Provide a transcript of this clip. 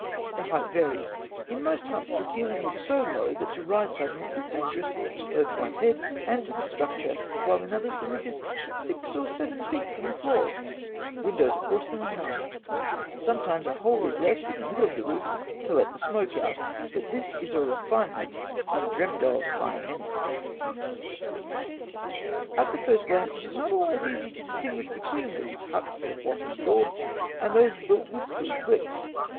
The height varies. In most huts, the ceiling is so low that to rise suddenly is dangerous both to one's head and to the structure, while in others the roof is six or seven feet from the floor. Windows, of course, there are none. Sometimes a hole is left in the middle of the roof to let the smoke out; but this is a refinement undreamed of by many. [Illustration: Fig. 1. Brickmaking, from Eighteenth Dynasty tomb painting, Tomb of Rekhmara.] At the first glance, it is not always easy to distinguish between these huts of wattle and daub and those built with crude bricks.